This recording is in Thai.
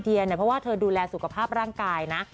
เพราะว่าเธอดูแลสุขภาพร่างกายนะ